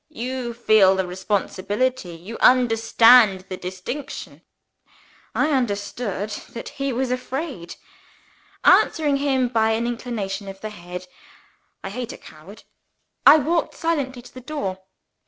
You feel the responsibility? You understand the distinction?" I understood that he was afraid. Answering him by an inclination of the head (I hate a coward!) I walked silently to the door.